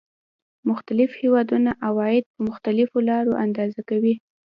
مختلف هېوادونه عواید په مختلفو لارو اندازه کوي